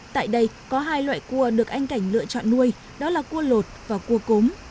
tại đây có hai loại cua được anh cảnh lựa chọn nuôi đó là cua lột và cua cốm